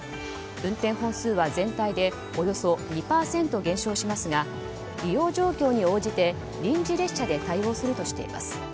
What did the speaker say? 運転本数は全体でおよそ２％減少しますが利用状況に応じて臨時列車で対応するとしています。